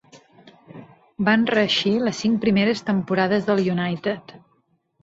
Van reeixir les cinc primeres temporades del United.